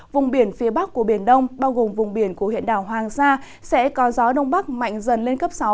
vùng biển phía bắc của biển đông bao gồm vùng biển của huyện đảo hoàng sa sẽ có gió đông bắc mạnh dần lên cấp sáu